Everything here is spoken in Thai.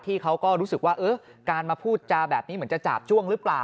เขาก็รู้สึกว่าการมาพูดจาแบบนี้เหมือนจะจาบจ้วงหรือเปล่า